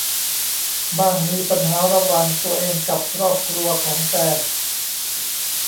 บ้างมีปัญหาระหว่างตัวเองกับครอบครัวของแฟน